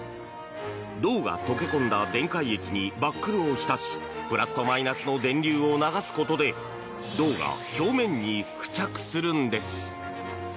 銅が溶け込んだ電解液にバックルを浸しプラスとマイナスの電流を流すことで銅が表面に付着するのです。